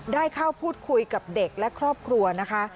ได้เข้าพูดคุยกับเด็กและครอบครัวนะคะ